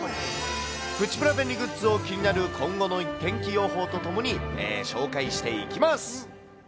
プチプラ便利グッズの気になる、今後の天気予報とともに紹介していきます。